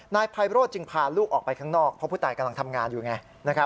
นายไพโรธจึงพาลูกออกไปข้างนอกเพราะผู้ตายกำลังทำงานอยู่ไง